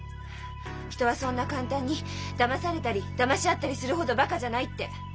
「人はそんな簡単にだまされたりだまし合ったりするほどバカじゃない」って。